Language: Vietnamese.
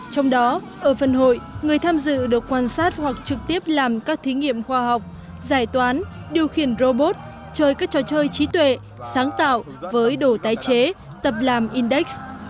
trong đó ở phần hội người tham dự được quan sát hoặc trực tiếp làm các thí nghiệm khoa học giải toán điều khiển robot chơi các trò chơi trí tuệ sáng tạo với đồ tái chế tập làm index